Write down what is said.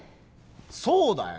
そうだよ。